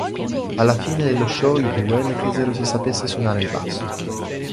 Alla fine dello show i due le chiesero se sapesse suonare il basso.